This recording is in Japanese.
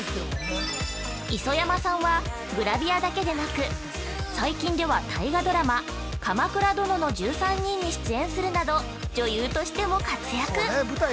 磯山さんはグラビアだけでなく、最近では大河ドラマ「鎌倉殿の１３人」に出演するなど女優としても活躍。